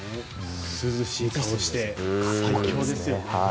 涼しい顔して最強ですよね。